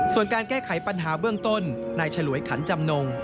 ส่วนการแก้ไขปัญหาเบื้องต้นนายฉลวยขันจำนง